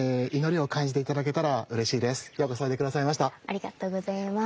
ありがとうございます。